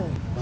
hah pur ah